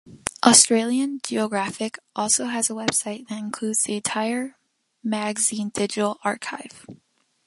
Australian Geographic also has a website that includes the entire magazine digital archive.